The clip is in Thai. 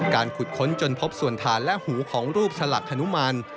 การขุดค้นจนพบส่วนฐานและหูของรูปสลักฮนุมาน